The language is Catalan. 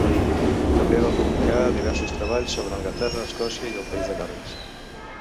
També va publicar diversos treballs sobre Anglaterra, Escòcia i el País de Gal·les.